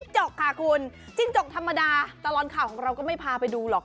จกค่ะคุณจิ้งจกธรรมดาตลอดข่าวของเราก็ไม่พาไปดูหรอก